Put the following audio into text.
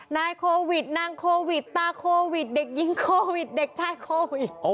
นายโควิดนางโควิดตาโควิดเด็กยิงโควิดเด็กชายโควิด